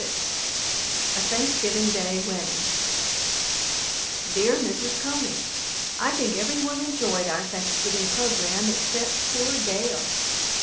VI A THANKSGIVING DAY WEDDING DEAR MRS. CONEY, ... I think every one enjoyed our Thanksgiving programme except poor Gale.